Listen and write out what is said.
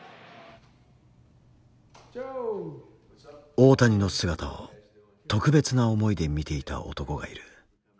大谷の姿を特別な思いで見ていた男がいる。